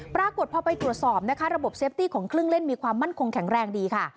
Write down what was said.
ปรากฏพอไปตรวจสอบนะคะระบบเซฟตี้ของเครื่องเล่นมีความมั่นคงแข็งแรงดีค่ะ